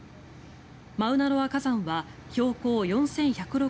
マウナロア火山は標高４１６９ｍ